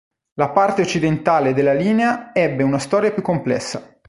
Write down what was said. La parte occidentale della linea ebbe una storia più complessa.